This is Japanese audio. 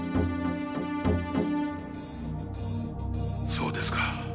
そうですか。